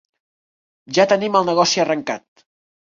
Ja tenim el negoci arrencat.